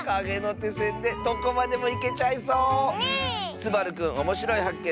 すばるくんおもしろいはっけん